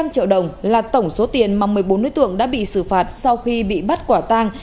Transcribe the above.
một trăm linh triệu đồng là tổng số tiền mà một mươi bốn đối tượng đã bị xử phạt sau khi bị bắt quả tang